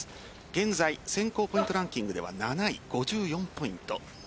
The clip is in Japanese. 現在、選考ポイントランキング７位５４ポイント。